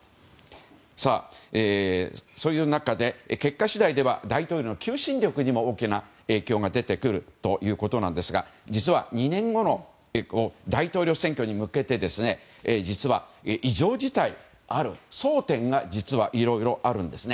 さあ、そういう中で結果次第では大統領の求心力にも大きな影響が出てくるということなんですが実は、２年後の大統領選挙に向けて実は異常事態、ある争点がいろいろあるんです。